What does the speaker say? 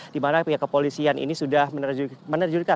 dimana kepolisian ini sudah menerjulikan